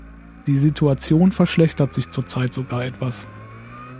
Die Situation verschlechtert sich zur Zeit sogar etwas.